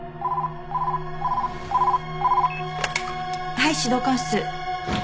☎はい指導官室。